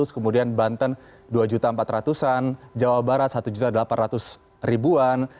kemudian banten dua juta empat ratus an jawa barat satu juta delapan ratus ribuan